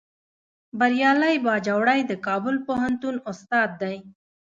بریالی باجوړی د کابل پوهنتون استاد دی